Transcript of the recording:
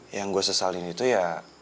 yang gue sesalin itu ya